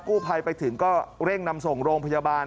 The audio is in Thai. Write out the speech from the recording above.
ภัยไปถึงก็เร่งนำส่งโรงพยาบาล